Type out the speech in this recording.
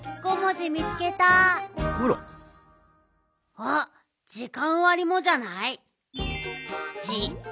あっじかんわりもじゃない？